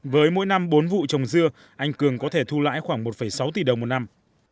với mỗi năm bốn vụ trồng dưa anh cường có thể thu lãi khoảng một sáu tỷ đồng một năm